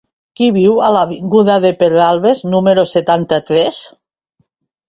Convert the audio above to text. Qui viu a l'avinguda de Pedralbes número setanta-tres?